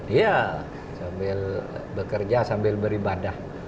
iya sambil bekerja sambil beribadah